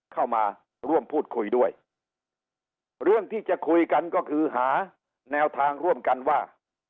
เข้ามาร่วมพูดคุยด้วยเรื่องที่จะคุยกันก็คือหาแนวทางร่วมกันว่า